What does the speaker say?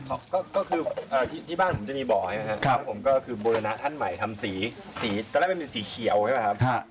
ก็คือที่บ้านผมจะมีบ่อใช่ไหมครับผมก็คือบูรณะท่านใหม่ทำสีสีตอนแรกมันเป็นสีเขียวใช่ไหมครับ